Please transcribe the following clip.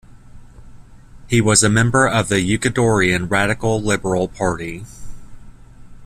He was a member of the Ecuadorian Radical Liberal Party.